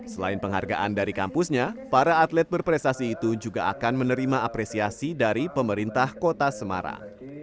selain penghargaan dari kampusnya para atlet berprestasi itu juga akan menerima apresiasi dari pemerintah kota semarang